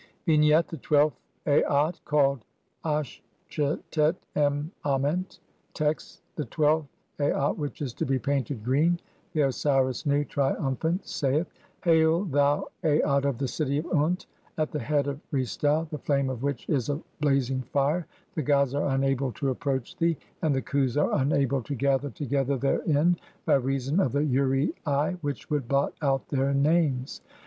XII. Vignette: The twelfth Aat, /''\ called "Astchetet em Ament". Text : (1) The twelfth Aat [which is to be painted] green. The Osiris Nu, triumphant, saith :— (2) "Hail, thou Aat of the city of Unt (?) at the head of Re stau, "the flame of which is a blazing fire, the gods are unable to "approach thee (3) and the Khus are unable to gather together "therein by reason of the uraei which would blot out their "names.